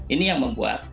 ini yang membuat